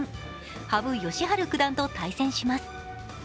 羽生善治九段と対戦します。